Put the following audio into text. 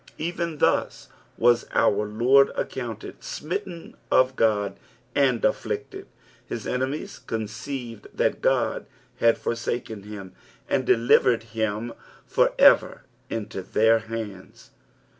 Even thus was our Lord ac counted " smitten of Qod and afSicted." His enemies conceived that Ood had forsaken him, and delivered liim for ever into their hands.